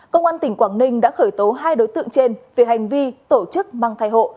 công an tỉnh quảng ninh đã khởi tố hai đối tượng trên về hành vi tổ chức mang thai hộ